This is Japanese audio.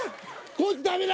こいつダメだ！